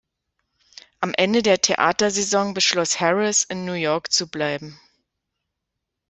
Am Ende der Theatersaison beschloss Harris, in New York zu bleiben.